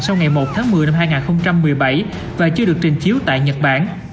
sau ngày một tháng một mươi năm hai nghìn một mươi bảy và chưa được trình chiếu tại nhật bản